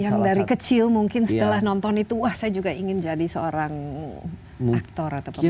yang dari kecil mungkin setelah nonton itu wah saya juga ingin jadi seorang aktor atau pemain